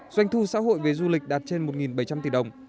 doanh thu xã hội về du lịch đạt trên một bảy trăm linh tỷ đồng